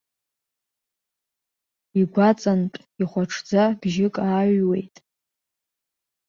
Игәаҵантә ихәаҽӡа бжьык ааҩуеит.